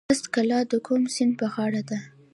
بست کلا د کوم سیند په غاړه ده؟